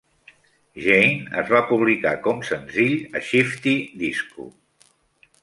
"Jane" es va publicar com senzill a Shifty Disco.